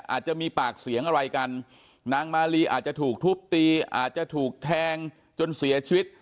อาจจะมีปากเสียงอะไรกันนางมาลีอาจจะถูกทุบตีอาจจะถูกแทงจนเสียชีวิต